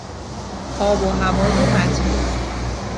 آب و هوای مطبوع